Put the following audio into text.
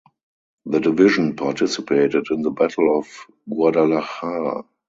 The division participated in the Battle of Guadalajara.